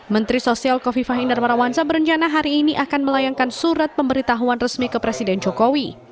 menteri sosial kofifah indar parawansa berencana hari ini akan melayangkan surat pemberitahuan resmi ke presiden jokowi